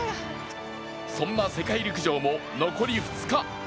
そんな世界陸上も残り２日。